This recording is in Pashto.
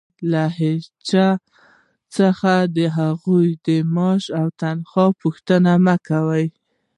له هيچا څخه د هغوى د معاش او تنخوا پوښتنه مه کوئ!